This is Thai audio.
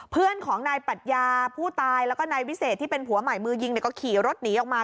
เพื่อนของนายปรัชญาผู้ตายแล้วก็นายวิเศษที่เป็นผัวใหม่มือยิงก็ขี่รถหนีออกมา